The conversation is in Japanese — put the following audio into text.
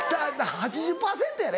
８０％やで？